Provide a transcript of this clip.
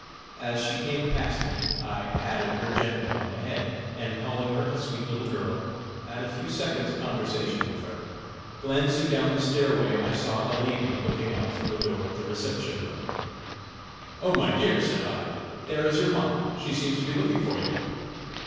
As she came past me I patted her gently on the head and calling her a sweet little girl, had a few seconds conversation with her. Glancing down the stair way, I saw a lady looking out from the door of the reception room: "Oh, my dear!" said I, "there is your ma; she seems to be looking for you!"